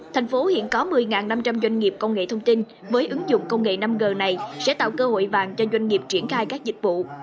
thành phố hiện có một mươi năm trăm linh doanh nghiệp công nghệ thông tin với ứng dụng công nghệ năm g này sẽ tạo cơ hội vàng cho doanh nghiệp triển khai các dịch vụ